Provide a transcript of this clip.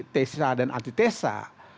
tesa dan antitesa